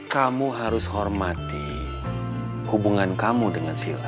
kamu harus hormati hubungan kamu dengan sila